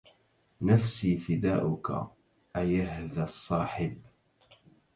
نفسي فداؤك أيهذا الصاحب